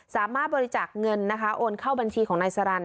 สามารถบริจาคเงินนะคะโอนเข้าบัญชีของนายสรรค